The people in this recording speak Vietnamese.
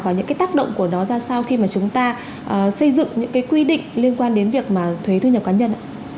và những cái tác động của nó ra sao khi mà chúng ta xây dựng những cái quy định liên quan đến việc mà thuế thu nhập cá nhân